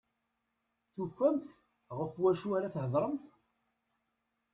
Tufamt ɣef wacu ara thedremt.